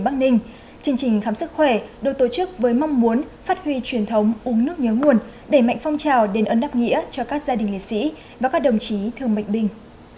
chương trình khám sức khỏe được tổ chức với mong muốn phát huy truyền thống uống nước nhớ nguồn đẩy mạnh phong trào đền ơn đáp nghĩa cho các gia đình liệt sĩ và các đồng chí thương bệnh binh